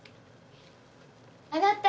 あなた！